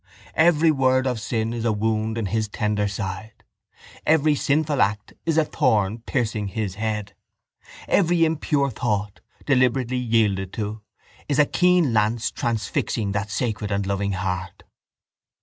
Every word of sin is a wound in His tender side. Every sinful act is a thorn piercing His head. Every impure thought, deliberately yielded to, is a keen lance transfixing that sacred and loving heart.